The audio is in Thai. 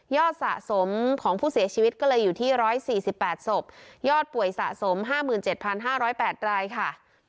ยอดสะสมของผู้เสียชีวิตก็เลยอยู่ที่ร้อยสี่สิบแปดศพยอดป่วยสะสมห้าหมื่นเจ็ดพันห้าร้อยแปดรายค่ะ